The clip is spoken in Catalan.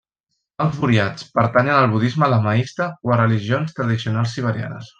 Els buriats pertanyen al budisme lamaista o a religions tradicionals siberianes.